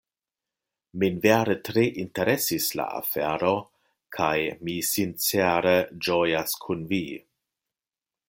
Min vere tre interesis la afero kaj mi sincere ĝojas kun Vi!